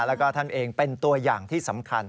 แล้วก็ท่านเองเป็นตัวอย่างที่สำคัญ